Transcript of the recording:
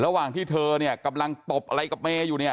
ระหว่างที่เธอเนี่ยกำลังตบอะไรกับเมย์อยู่เนี่ย